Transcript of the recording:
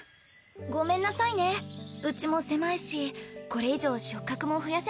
ごめんなさいねうちも狭いしこれ以上食客も増やせなくて。